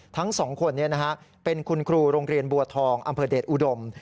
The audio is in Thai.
ทั้งสองคนเป็นคุณครูโรงเรียนบัวทองอำเภอเดชอุดม